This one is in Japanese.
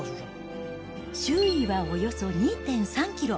周囲はおよそ２．３キロ。